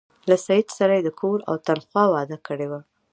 له سید سره د کور او تنخوا وعده کړې وه.